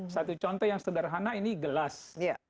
satu contoh yang sederhana ini gelas